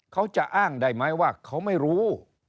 เขาจะอ้างได้ไหมว่าเขาไม่รู้